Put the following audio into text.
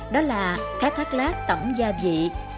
đó là cá thác lát tẩm gia vị